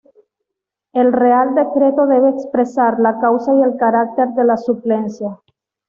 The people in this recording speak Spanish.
El real decreto debe expresar la causa y el carácter de la suplencia.